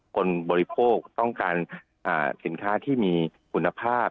บริโภคต้องการสินค้าที่มีคุณภาพ